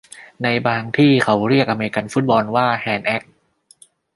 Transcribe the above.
ในบางที่เขาเรียกอเมริกันฟุตบอลว่าแฮนด์เอ๊ก